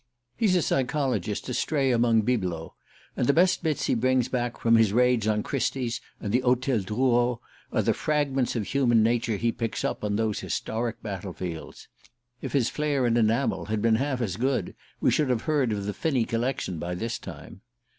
He's a psychologist astray among bibelots, and the best bits he brings back from his raids on Christie's and the Hotel Drouot are the fragments of human nature he picks up on those historic battle fields. If his flair in enamel had been half as good we should have heard of the Finney collection by this time.